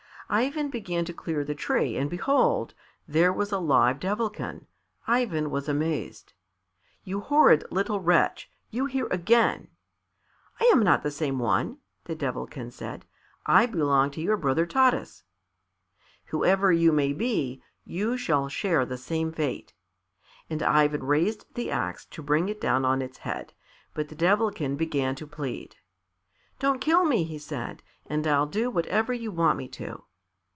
Ivan began to clear the tree and behold! there was a live Devilkin. Ivan was amazed. "You horrid little wretch! You here again!" "I am not the same one," the Devilkin said. "I belong to your brother Taras." "Whoever you may be, you shall share the same fate." And Ivan raised the axe to bring it down on its head, but the Devilkin began to plead. "Don't kill me," he said, "and I'll do whatever you want me to."